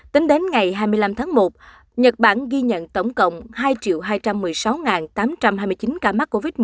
tính đến ngày hai mươi năm tháng một nhật bản ghi nhận tổng cộng hai hai trăm một mươi sáu tám trăm hai mươi chín ca mắc covid một mươi chín